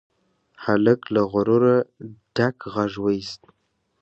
هلک له غروره ډک غږ واېست.